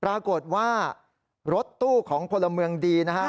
ปรากฏว่ารถตู้ของพลเมืองดีนะฮะ